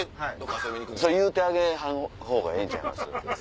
それ言うてあげんほうがええんちゃいます？